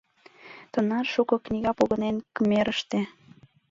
— Тынар шуко книга погынен кмерыште.